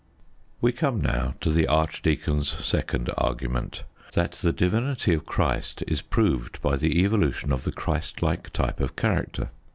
We come now to the archdeacon's second argument: that the divinity of Christ is proved by the evolution of the Christlike type of character.